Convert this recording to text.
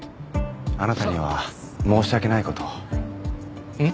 あなたには申し訳ないことをん？